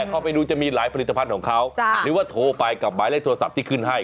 เข้าไปดูจะมีหลายผลิตภัณฑ์ของเขาหรือว่าโทรไปกับหมายเลขโทรศัพท์ที่ขึ้นให้